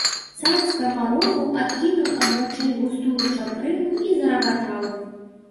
Цар скамарохаў адкінуў ад вачэй густую чупрыну і зарагатаў.